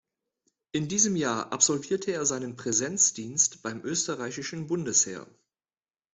In diesem Jahr absolvierte er seinen Präsenzdienst beim Österreichischen Bundesheer.